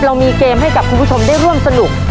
เรามีเกมให้กับคุณผู้ชมได้ร่วมสนุก